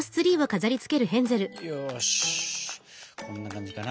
よしこんな感じかな。